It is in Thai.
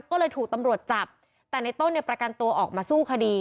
ก็เลยถูกตำรวจจับแต่ในต้นเนี่ยประกันตัวออกมาสู้คดี